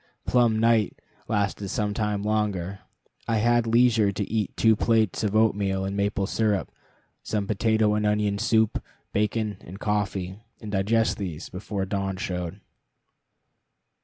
"Plumb night" lasted some time longer. I had leisure to eat two plates of oatmeal and maple syrup, some potato and onion soup, bacon, and coffee, and digest these, before dawn showed.